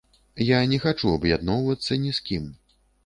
Я не хачу аб'ядноўвацца ні з кім.